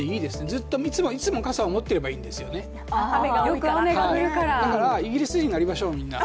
ずっといつも傘を持っていればいいんですよねだから、イギリス人になりましょう、みんな。